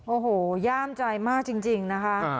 โอ้โหย่ามใจมากจริงนะคะ